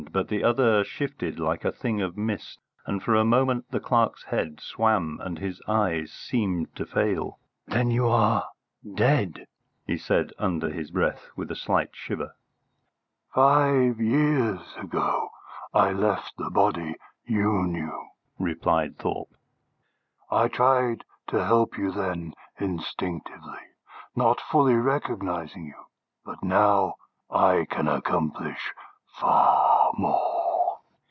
But the other shifted like a thing of mist, and for a moment the clerk's head swam and his eyes seemed to fail. "Then you are dead?" he said under his breath with a slight shiver. "Five years ago I left the body you knew," replied Thorpe. "I tried to help you then instinctively, not fully recognising you. But now I can accomplish far more."